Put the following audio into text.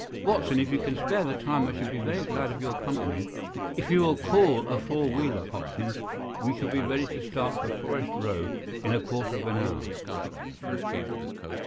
Watson, if you can spare the time, I should be very glad of your company. If you will call a four wheeler, Hopkins, we shall be ready to start for Forest Row in a quarter of an hour."